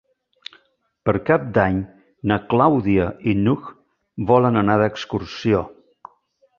Per Cap d'Any na Clàudia i n'Hug volen anar d'excursió.